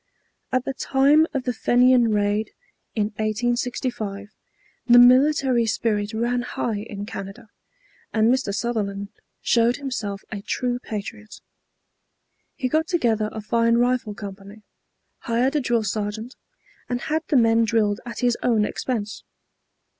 At the time of the Fenian Raid, in 1865, the military spirit ran high in Canada, and Mr. Sutherland showed himself a true patriot. He got together a fine rifle company, hired a drill sergeant, and had the men drilled at his own expense.